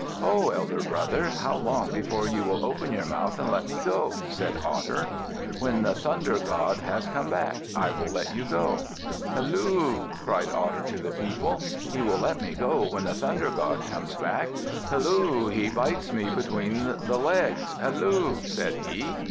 "Ho! elder brother! How long before you will open your mouth and let me go?" said Otter. "When the Thunder God has come back, I will let you go." "Halloo!" shouted Otter to the people. "He will let me go when the Thunder God comes back. Halloo! He bites me between the legs. Halloo!" said he.